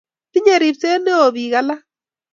Tinyei ribset neoo biik alak.